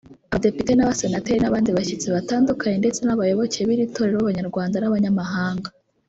abadepite n’abasenateri n’abandi bashyitsi batandukanye ndetse n’abayoboke b’iri torero b’Abanyarwanda n’abanyamahanga